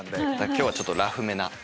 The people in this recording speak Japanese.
今日はちょっとラフめな。